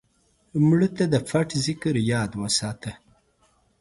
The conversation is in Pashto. مړه ته د پټ ذکر یاد وساته